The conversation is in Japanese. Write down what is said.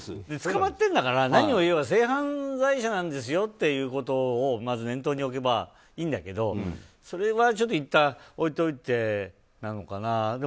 捕まってんだから、何言っても性犯罪者なんですよっていうのをまず念頭に置けばいいんだけどそれはいったん置いといてなのかな。